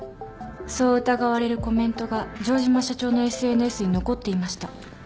そう疑われるコメントが城島社長のＳＮＳに残っていました。